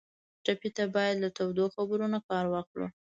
ټپي ته باید له تودو خبرو نه کار واخلو.